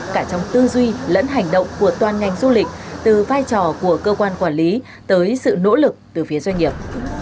cả trong tư duy lẫn hành động của toàn ngành du lịch từ vai trò của cơ quan quản lý tới sự nỗ lực từ phía doanh nghiệp